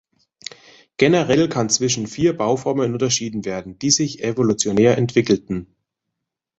Generell kann zwischen vier Bauformen unterschieden werden, die sich evolutionär entwickelten.